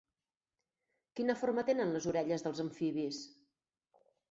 Quina forma tenen les orelles dels amfibis?